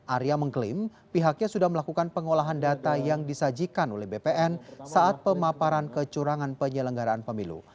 arya mengklaim pihaknya sudah melakukan pengolahan data yang disajikan oleh bpn saat pemaparan kecurangan penyelenggaraan pemilu